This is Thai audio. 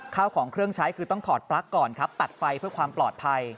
ข้าวของเครื่องใช้คือต้องถอดปลั๊กก่อนครับตัดไฟเพื่อความปลอดภัย